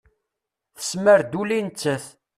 Tesmar-d ula i nettat.